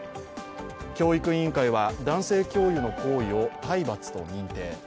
教育委員会は男性教諭の行為を体罰と認定。